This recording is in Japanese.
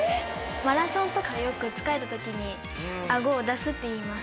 マラソンとかよく疲れた時に「顎を出す」っていいます。